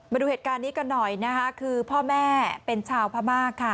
มาดูเหตุการณ์นี้กันหน่อยนะคะคือพ่อแม่เป็นชาวพม่าค่ะ